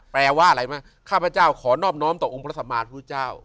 แปลว่าอะไรไหมข้าพเจ้าขอนอบน้อมต่อองค์พระสัมมาพุทธเจ้า